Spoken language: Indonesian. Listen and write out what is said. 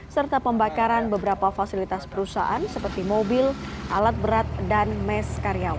serta pembakaran beberapa fasilitas perusahaan seperti mobil alat berat dan mes karyawan